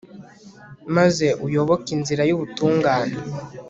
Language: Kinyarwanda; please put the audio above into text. maze uyoboke inzira y'ubutungane